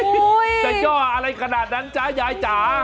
จะย่ออะไรขนาดนั้นจ๊ะยายจ๋า